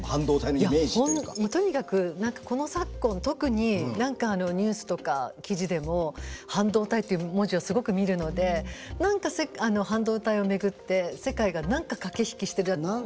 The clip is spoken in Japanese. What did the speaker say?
いやとにかくこの昨今特に何かニュースとか記事でも半導体っていう文字をすごく見るので何か半導体を巡って世界が何か駆け引きしてるなって。